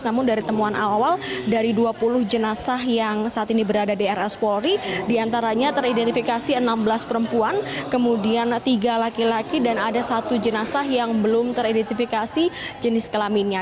namun dari temuan awal dari dua puluh jenazah yang saat ini berada di rs polri diantaranya teridentifikasi enam belas perempuan kemudian tiga laki laki dan ada satu jenazah yang belum teridentifikasi jenis kelaminnya